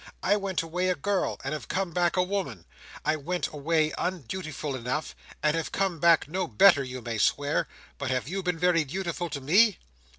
I went away a girl, and have come back a woman. I went away undutiful enough, and have come back no better, you may swear. But have you been very dutiful to me?"